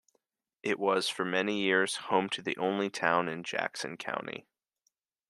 It was for many years home to the only town in Jackson County.